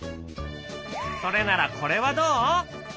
それならこれはどう？